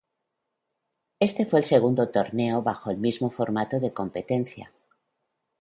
Este fue el segundo torneo bajo el mismo formato de competencia.